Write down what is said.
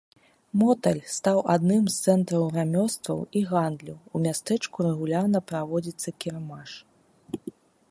Моталь стаў адным з цэнтраў рамёстваў і гандлю, у мястэчку рэгулярна праводзіцца кірмаш.